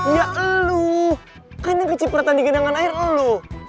ya eluh kan yang kecipratan di genangan air eluh